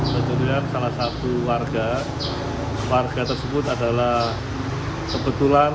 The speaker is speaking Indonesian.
kejadian salah satu warga warga tersebut adalah kebetulan